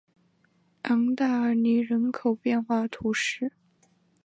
昂代尔尼人口变化图示